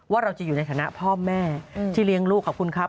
เราจะอยู่ในฐานะพ่อแม่ที่เลี้ยงลูกขอบคุณครับ